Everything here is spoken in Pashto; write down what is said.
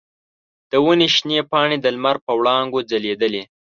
د ونې شنې پاڼې د لمر په وړانګو ځلیدلې.